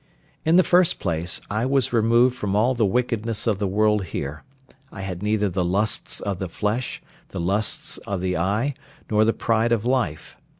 In the first place, I was removed from all the wickedness of the world here; I had neither the lusts of the flesh, the lusts of the eye, nor the pride of life.